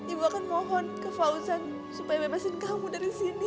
ibu akan mohon ke fauzan supaya bebasin kamu dari sini